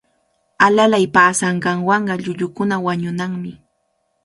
Alalay paasanqanwanqa llullukuna wañunmanmi.